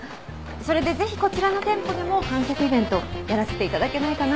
それでぜひこちらの店舗でも販促イベントやらせていただけないかなと。